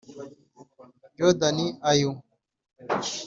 Jordan Ayew